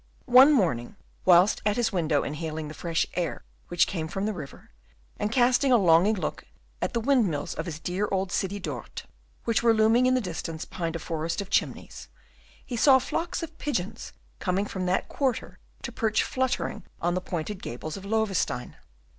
One morning, whilst at his window inhaling the fresh air which came from the river, and casting a longing look to the windmills of his dear old city Dort, which were looming in the distance behind a forest of chimneys, he saw flocks of pigeons coming from that quarter to perch fluttering on the pointed gables of Loewestein.